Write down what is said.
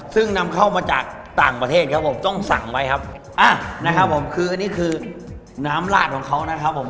ซึ่งนำเข้ามาจากต่างประเทศครับผมต้องสั่งไว้ครับอ่านะครับผมคืออันนี้คือน้ำลาดของเขานะครับผม